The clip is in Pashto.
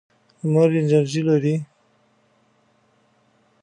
لمر انرژي لري.